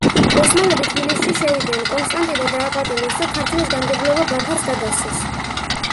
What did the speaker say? ოსმალები თბილისში შევიდნენ, კონსტანტინე დააპატიმრეს და ქართლის გამგებლობა ბაქარს გადასცეს.